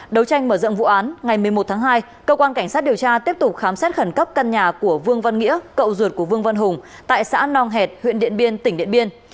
đấu tranh mở rộng vụ án ngày một mươi một tháng hai cơ quan cảnh sát điều tra tiếp tục khám xét khẩn cấp căn nhà của vương văn nghĩa cậu ruột của vương văn hùng tại xã nong hẹt huyện điện biên tỉnh điện biên